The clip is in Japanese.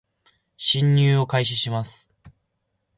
進入を開始します